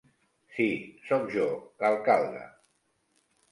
Sí, soc jo, l'alcalde.